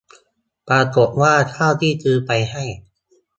ปรากฏว่าข้าวที่ซื้อไปให้